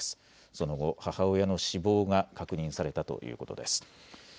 その後、母親の死亡が確認されたということです。